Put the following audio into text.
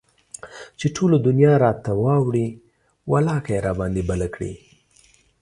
چې ټوله دنيا راته واوړي ولاکه يي راباندى بله کړي